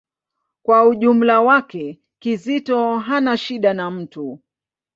Kwa ujumla wake, Kizito hana shida na mtu.